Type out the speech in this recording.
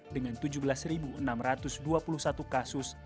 dengan tujuh belas enam ratus dua puluh satu kasus